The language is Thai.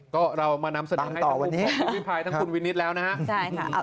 ก็เรามานำเสนอให้ทุกคุณพิมพลิภายทั้งคุณวินิสแล้วนะฮะ